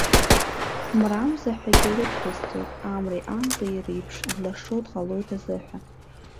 Мрамзаҳәагь лыхьӡысҵоит, амреи амзеи реиԥш длашо дҟалоит азыҳәа.